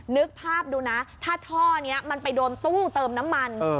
นึกภาพดูนะถ้าท่อนี้มันไปโดนตู้เติมน้ำมัน